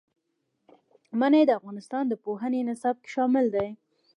منی د افغانستان د پوهنې نصاب کې شامل دي.